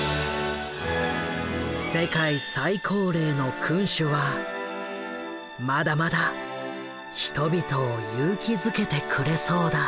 世界最高齢の君主はまだまだ人々を勇気づけてくれそうだ。